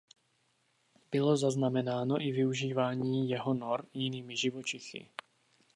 Bylo zaznamenáno i využívání jeho nor jinými živočichy.